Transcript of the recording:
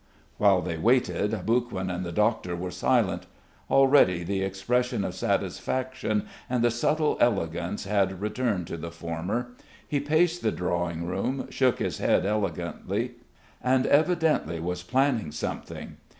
While they waited Aboguin and the doctor were silent. Already the expression of satisfaction and the subtle elegance had returned to the former. He paced the drawing room, shook his head elegantly and evidently was planning something.